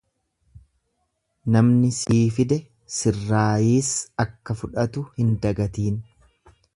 Namni sii fide sirraayiis akka fudhatu hin dagatiin.